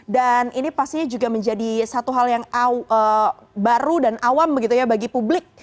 dan ini pastinya juga menjadi satu hal yang baru dan awam begitu ya bagi publik